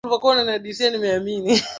Sisi tokea azali, twenda zetu mizimuni,